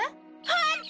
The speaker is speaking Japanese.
ホント？